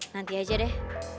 nanti aja deh